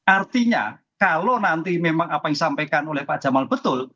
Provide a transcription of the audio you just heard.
artinya kalau nanti memang apa yang disampaikan oleh pak jamal betul